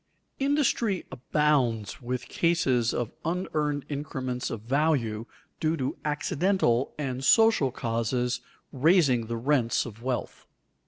_Industry abounds with cases of unearned increments of value due to accidental and social causes raising the rents of wealth.